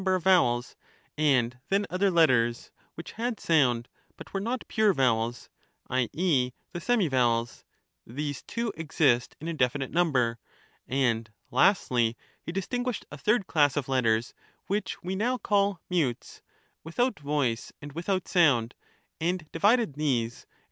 ber of vowels, and then other letters which had sound, but were not pure vowels (i. e. the semivowels) ; these too exist in a definite number; and lastly, he distinguished a third class of letters which we now call mutes, without voice and without sound, and divided these, and likewise the two other Digitized by VjOOQIC 584 PhiUbus.